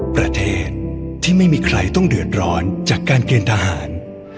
ประเทศที่ไม่มีใครต้องเดือดร้อนจากการเกณฑ์ทหาร